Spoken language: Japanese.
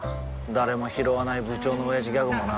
誰もひろわない部長のオヤジギャグもな